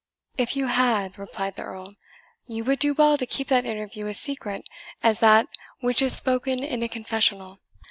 "If you had," replied the Earl, "you would do well to keep that interview as secret as that which is spoken in a confessional.